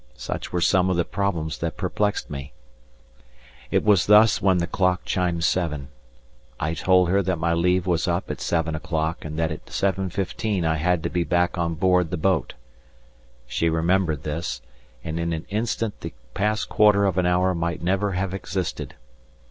Such were some of the problems that perplexed me. It was thus when the clock chimed seven. I told her that my leave was up at seven o'clock, and that at 7.15 I had to be back on board the boat. She remembered this, and in an instant the past quarter of an hour might never have existed.